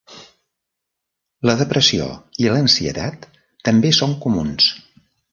La depressió i l'ansietat també són comuns.